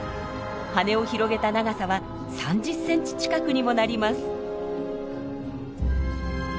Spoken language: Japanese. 羽を広げた長さは３０センチ近くにもなります。